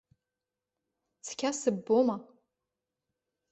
Цқьа сыббома?